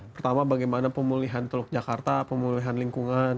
pertama bagaimana pemulihan teluk jakarta pemulihan lingkungan